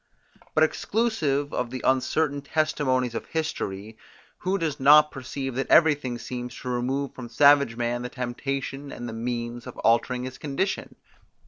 But exclusive of the uncertain testimonies of history, who does not perceive that everything seems to remove from savage man the temptation and the means of altering his condition?